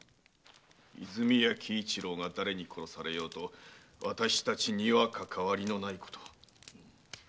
和泉屋喜一郎が誰に殺されようと私たちにはかかわりのないこと。